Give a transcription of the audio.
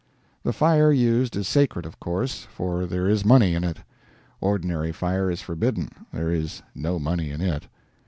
The fire used is sacred, of course for there is money in it. Ordinary fire is forbidden; there is no money in it.